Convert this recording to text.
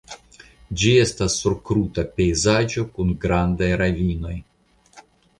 Ĝi estas sur kruta pejzaĝo kun grandaj ravinoj.